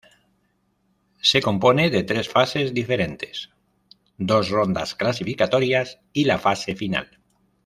Se compone de tres fases diferentes: dos rondas clasificatorias y la fase final.